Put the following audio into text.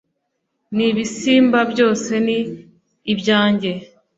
n'ibisimba byose ni ibyanjye